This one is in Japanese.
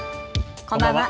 こんばんは。